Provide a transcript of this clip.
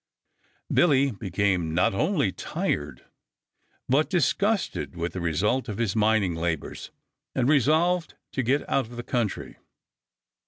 Billy became not only tired but disgusted with the result of his mining labors and resolved to get out of the country.